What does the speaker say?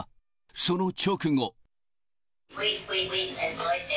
その直後。